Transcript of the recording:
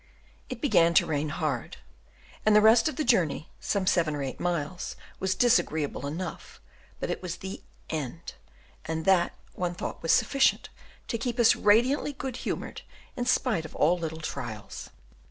It began to rain hard, and the rest of the journey, some seven or eight miles, was disagreeable enough; but it was the end, and that one thought was sufficient to keep us radiantly good humoured, in spite of all little trials.